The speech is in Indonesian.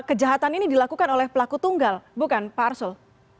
kejahatan ini dilakukan oleh pelaku tunggal bukan pak arsul